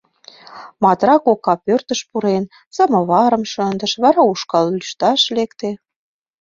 Матра кока, пӧртыш пурен, самоварым шындыш, вара ушкал лӱшташ лекте.